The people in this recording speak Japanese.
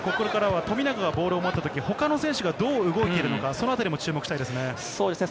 富永がボールを持ったとき、ほかの選手がどう動いてるのかも注目したいですね。